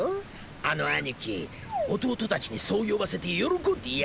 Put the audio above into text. あの兄貴弟たちにそう呼ばせて喜んでいやがんのさ。